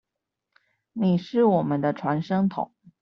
你是我們的傳聲筒